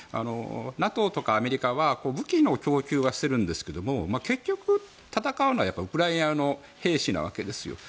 ＮＡＴＯとかアメリカは武器の供給はしているんですけど結局、戦うのはウクライナ側の兵士なわけですよ。